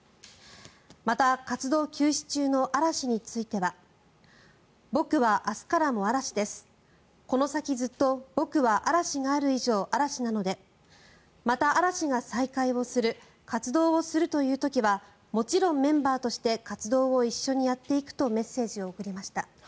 また、活動休止中の嵐については僕は明日からも嵐ですこの先ずっと僕は嵐がある以上、嵐なのでまた嵐が再開をする活動をするという時はもちろんメンバーとして活動を一緒にやっていくとメッセージを送りました。